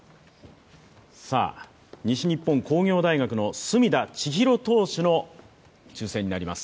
西日本工業大学・隅田知一郎選手の抽選になります。